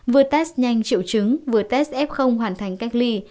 vừa test nhanh triệu chứng vừa test f hoàn thành cách ly